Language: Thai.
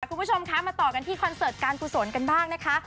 คุณผู้ชมคะมาต่อกันที่คอนเสิร์ตการกุศลกันบ้างนะคะ